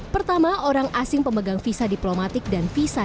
pertama orang asing pemegang visa diplomatik dan visa